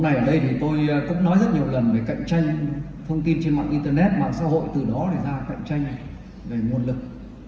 năm nay ở đây thì tôi cũng nói rất nhiều lần về cạnh tranh thông tin trên mạng internet mạng xã hội từ đó để ra cạnh tranh về nguồn lực